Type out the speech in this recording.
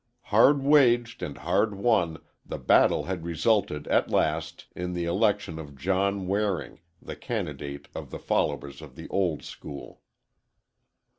Hard waged and hard won, the battle had resulted at last in the election of John Waring, the candidate of the followers of the old school.